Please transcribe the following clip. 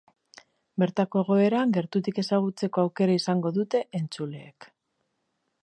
Bertako egoera gertutik ezagutzeko aukera izango dute entzuleek.